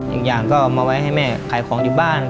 อีกอย่างก็เอามาไว้ให้แม่ขายของอยู่บ้าน